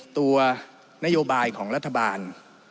ตัวนโยบายของรัฐบาล